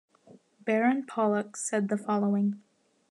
Baron Pollock said the following.